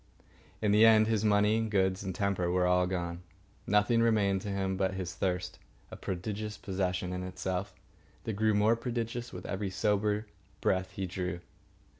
In the end his money and goods and temper were all gone. Nothing remained to him but his thirst, a prodigious possession in itself that grew more prodigious with every sober breath he drew.